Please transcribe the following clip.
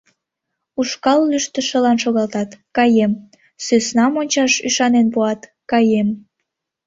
Ушкал лӱштышылан шогалтат — каем, сӧснам ончаш ӱшанен пуат — каем...